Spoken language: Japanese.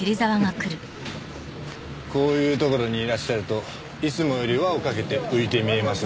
こういうところにいらっしゃるといつもより輪をかけて浮いて見えますね警部殿。